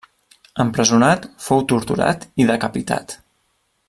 Empresonat, fou torturat i decapitat.